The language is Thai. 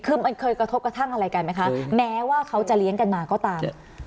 คือมันเคยกระทบกระทั่งอะไรกันไหมคะแม้ว่าเขาจะเลี้ยงกันมาก็ตาม